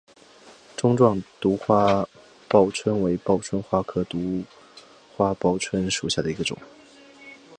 钟状独花报春为报春花科独花报春属下的一个种。